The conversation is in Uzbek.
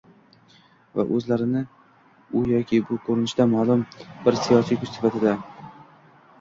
va o‘zlarini u yoki bu ko‘rinishda ma’lum bir siyosiy kuch sifatida